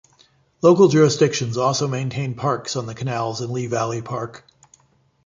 Local jurisdictions also maintain parks on the canals in Lee Valley Park.